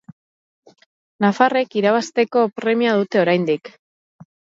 Nafarrek irabazteko premia dute oraindik.